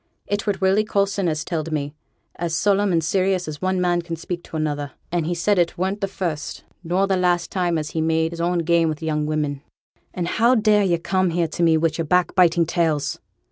'It were Willie Coulson as telled me, as solemn and serious as one man can speak to another; and he said it weren't the first nor the last time as he had made his own game with young women.' 'And how dare yo' come here to me wi' yo'r backbiting tales?'